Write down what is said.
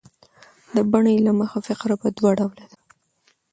د بڼي له مخه فقره پر دوه ډوله ده.